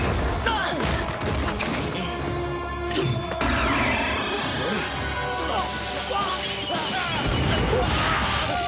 あっ！